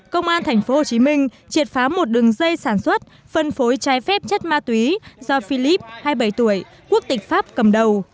công an thành phố hồ chí minh triệt phá một đường dây sản xuất phân phối trái phép chất ma túy do philip hai mươi bảy tuổi quốc tịch pháp cầm đầu